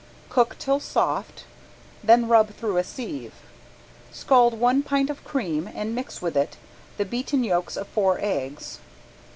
Cook till soft, then rub through a sieve. Scald one pint of cream and mix with it the beaten yolks of four eggs.